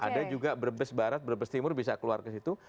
ada juga brebes barat brebes timur bisa keluar ke situ